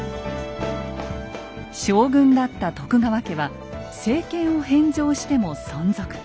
将軍だった徳川家は政権を返上しても存続。